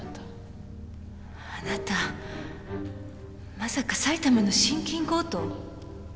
あなたまさか埼玉の信金強盗？